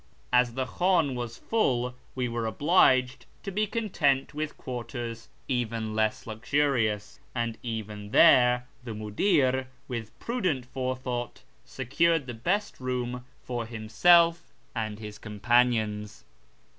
As the khdn was full, we were obliged to be content with quarters even less luxurious ; and even there the mucUr, with prudent forethought, secured the best room for himself and his companions.